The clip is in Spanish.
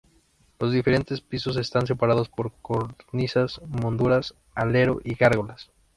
Los diferentes pisos están separados por cornisas molduradas, alero y gárgolas.